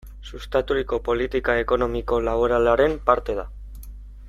Sustaturiko politika ekonomiko-laboralaren parte da.